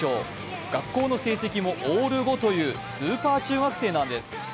学校の成績もオール５というスーパー中学生なんです。